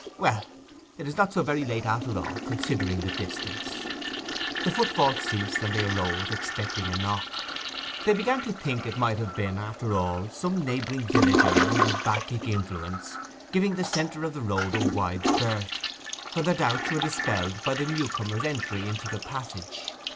'Well, it is not so very late after all, considering the distance.' The footfall ceased, and they arose, expecting a knock. They began to think it might have been, after all, some neighbouring villager under Bacchic influence, giving the centre of the road a wide berth, when their doubts were dispelled by the new comer's entry into the passage.